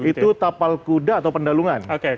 itu tapal kuda atau pendalungan